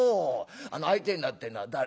あの相手になってんのは誰？